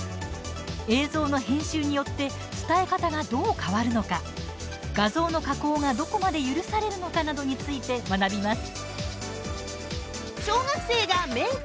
映像の編集によって伝え方がどう変わるのか画像の加工がどこまで許されるのかなどについて学びます。